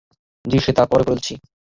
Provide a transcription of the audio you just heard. জি, সেটা পরে বলছি।